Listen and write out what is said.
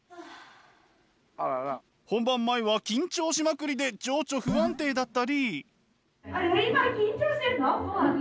本番前は緊張しまくりで情緒不安定だったり。